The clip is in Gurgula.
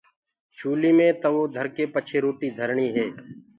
چوليٚ مي تَوو ڌرڪي پڇي روٽيٚ ڌرڻيٚ هي